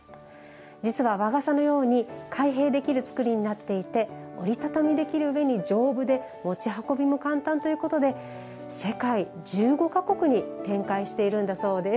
実は和傘のように開閉できる作りになっていて折り畳みできるうえに丈夫で持ち運びも簡単で世界１５か国に展開しているんだそうです。